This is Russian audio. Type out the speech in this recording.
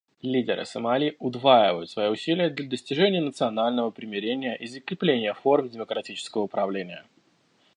Лидеры Сомали удваивают свои усилия для достижения национального примирения и закрепления форм демократического правления.